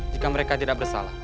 jika mereka tidak bersalah